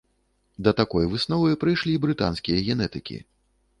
Да такой высновы прыйшлі брытанскія генетыкі.